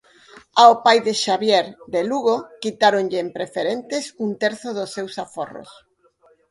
Ao pai de Xavier, de Lugo, quitáronlle en preferentes un terzo dos seus aforros.